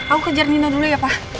aku kejar nino dulu ya pak